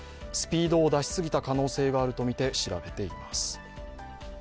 スピードを出しすぎた可能性があるとみて調べています。